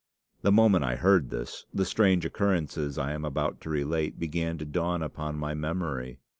The moment I heard this, the strange occurrences I am about to relate began to dawn upon my memory.